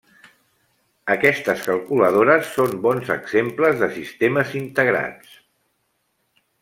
Aquestes calculadores són bons exemples de sistemes integrats.